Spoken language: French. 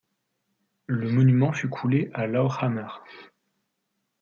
Le monument fut coulé à Lauchhammer.